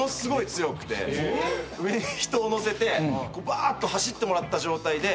上に人を乗せてばっと走ってもらった状態で。